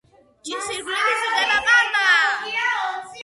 ჭის ირგვლივ იზრდება პალმა.